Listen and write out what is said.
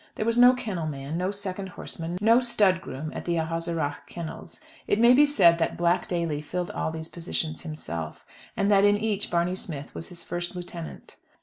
There was no kennel man, no second horseman, no stud groom at the Ahaseragh kennels. It may be said that Black Daly filled all these positions himself, and that in each Barney Smith was his first lieutenant.